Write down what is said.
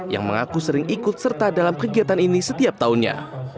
yang mengaku sering ikut serta dalam kegiatan ini setiap tahunnya